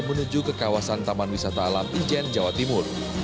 menuju ke kawasan taman wisata alam ijen jawa timur